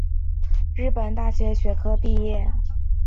日本大学工学部土木工学科毕业。